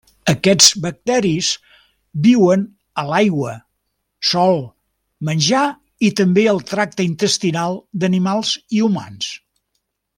Aquests bacteris viuen a l'aigua, sòl, menjar i també al tracte intestinal d'animals i humans.